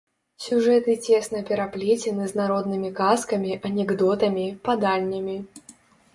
Сюжэты цесна пераплецены з народнымі казкамі, анекдотамі, паданнямі.